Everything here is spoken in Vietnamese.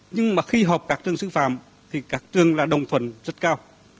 nhưng mà khi học các trường sư phạm thì các trường là đồng thuần rất cao